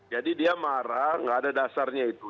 jadi dia marah nggak ada dasarnya itu